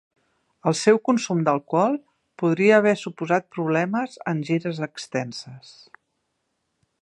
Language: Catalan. El seu consum d'alcohol podria haver suposat problemes en gires extenses.